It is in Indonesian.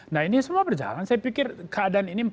nah ini semua berjalan saya pikir keadaan ini